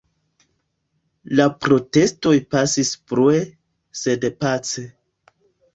La protestoj pasis brue, sed pace.